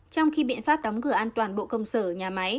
trong khi biện pháp đóng cửa an toàn bộ công sở nhà máy